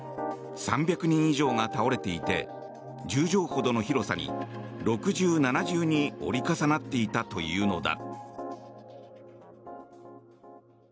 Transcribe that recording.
３００人以上が倒れていて１０畳ほどの広さに六重、七重に折り重なっていたというのだ。